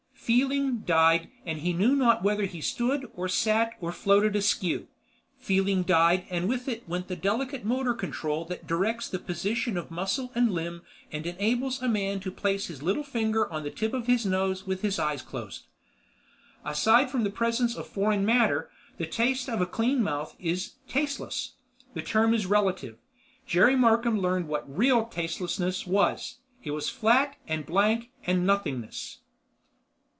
Feeling died and he knew not whether he stood or sat or floated askew. Feeling died and with it went that delicate motor control that directs the position of muscle and limb and enables a man to place his little finger on the tip of his nose with his eyes closed. Aside from the presence of foreign matter, the taste of a clean mouth is—tasteless. The term is relative. Jerry Markham learned what real tastelessness was. It was flat and blank and—nothingness.